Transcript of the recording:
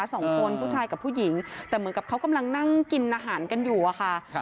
สองคนผู้ชายกับผู้หญิงแต่เหมือนกับเขากำลังนั่งกินอาหารกันอยู่อะค่ะครับ